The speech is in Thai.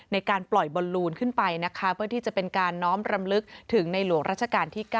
ในการปล่อยบอลลูนขึ้นไปนะคะเพื่อที่จะเป็นการน้อมรำลึกถึงในหลวงราชการที่๙